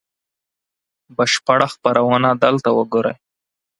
بشپړه خپرونه دلته وګورئ